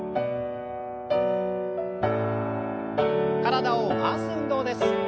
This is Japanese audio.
体を回す運動です。